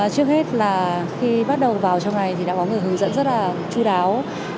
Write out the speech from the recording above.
trước hết là khi bắt đầu vào trong này thì đã có người hướng dẫn rất là chú đáo